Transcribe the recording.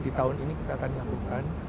di tahun ini kita akan lakukan